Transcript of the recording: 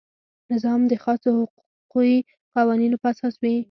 نظام د خاصو حقوقي قوانینو په اساس وي.